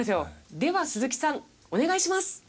では鈴木さんお願いします。